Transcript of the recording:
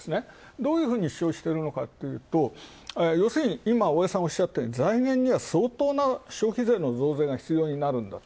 どういうふうに主張してるのかというとようするに大江さんがおっしゃったように財源には、相当な消費税の増税が必要になると。